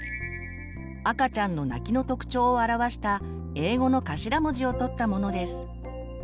赤ちゃんの泣きの特徴を表した英語の頭文字を取ったものです。